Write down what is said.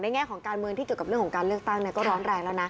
แง่ของการเมืองที่เกี่ยวกับเรื่องของการเลือกตั้งก็ร้อนแรงแล้วนะ